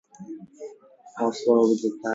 When Cypselus had grown up, he fulfilled the prophecy.